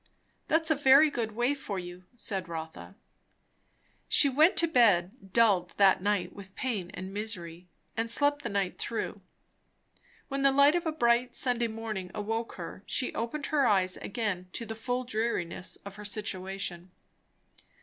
"That's a very good way, for you," said Rotha. She went to bed, dulled that night with pain and misery, and slept the night through. When the light of a bright Sunday morning awoke her, she opened her eyes again to the full dreariness of her situation.